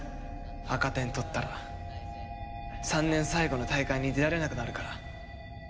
赤点取ったら３年最後の大会に出られなくなるから。